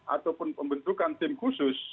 ataupun pembentukan tim khusus